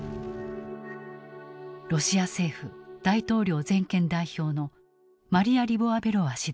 ロシア政府大統領全権代表のマリヤ・リボワベロワ氏である。